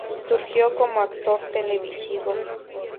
Surgió como actor televisivo.